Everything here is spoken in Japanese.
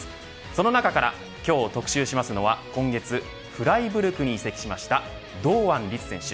その中から、今日特集しますのは今月、フライブルクに移籍した堂安律選手。